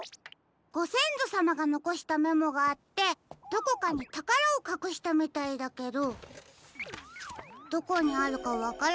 ごせんぞさまがのこしたメモがあってどこかにたからをかくしたみたいだけどどこにあるかわからないって。